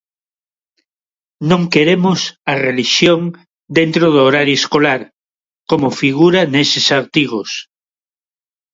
Non queremos a relixión dentro do horario escolar, como figura neses artigos.